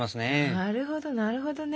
なるほどなるほどね！